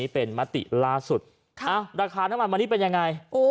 เป็นมติล่าสุดราคาน้ำมันวันนี้เป็นยังไง